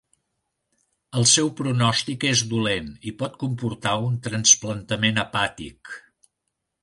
El seu pronòstic és dolent i pot comportar un trasplantament hepàtic.